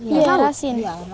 iya air asin